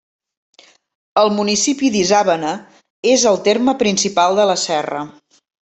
El municipi d'Isàvena és el terme principal de la serra.